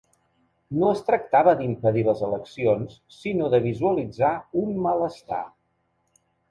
No es tractava d’impedir les eleccions, sinó de visualitzar un malestar.